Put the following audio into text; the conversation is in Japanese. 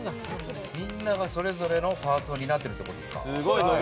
みんながそれぞれのパーツになってるってことですか。